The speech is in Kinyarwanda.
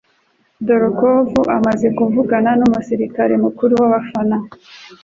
Dolokhov amaze kuvugana n'umusirikare mukuru w'Abafaransa,